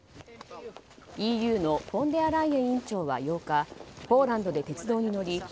ＥＵのフォンデアライエン委員長は８日ポーランドで鉄道に乗り